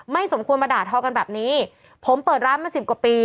สมควรมาด่าทอกันแบบนี้ผมเปิดร้านมาสิบกว่าปี